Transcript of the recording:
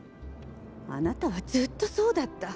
あなたはずっとそうだった。